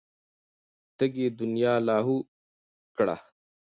تږې دنيا لاهو کړه.